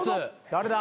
誰だ？